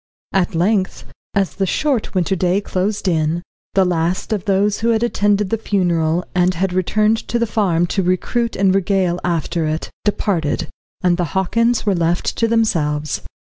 At length, as the short winter day closed in, the last of those who had attended the funeral, and had returned to the farm to recruit and regale after it, departed, and the Hockins were left to themselves.